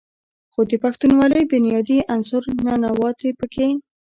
خو د پښتونولۍ بنيادي عنصر "ننواتې" پکښې